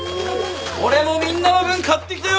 俺もみんなの分買ってきたよ！